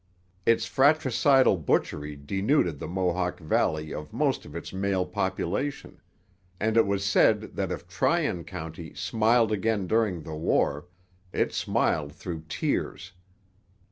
Its 'fratricidal butchery' denuded the Mohawk valley of most of its male population; and it was said that if Tryon county 'smiled again during the war, it smiled through tears.'